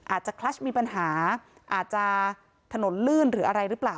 อาจจะคลัชมีปัญหาอาจจะถนนลื่นหรืออะไรหรือเปล่า